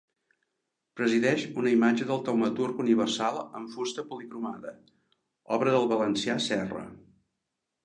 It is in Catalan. Presideix una imatge del Taumaturg universal en fusta policromada, obra del valencià Serra.